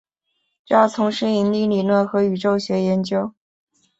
主要从事引力理论和宇宙学研究。